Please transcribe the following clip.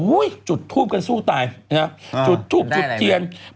อุ้ยจุดทูบกันสู้ตายจุดทูบจุดเตียนต้องได้อะไร